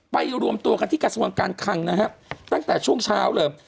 รวมตัวกันที่กระทรวงการคังนะฮะตั้งแต่ช่วงเช้าเลย